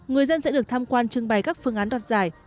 người dân sẽ được tham quan trưng bày các phương án đoạt giải